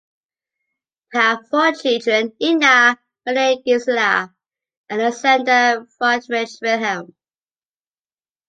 They had four children: Ina, Maria-Gisela, Alexander and Friedrich-Wilhelm.